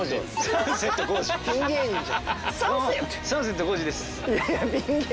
サンセット康史です！